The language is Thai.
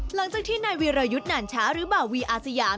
หลังจากที่นายวีรยุทธ์นานช้าหรือบ่าวีอาสยาม